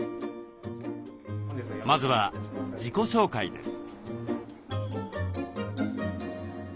まずは自己紹介です。